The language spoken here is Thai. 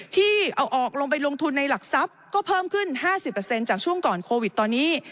ที่เอาออกลงไปลงทุนในหลักทรัพย์ก็เพิ่มขึ้น๕๐จากช่วงก่อนโควิดตอนนี้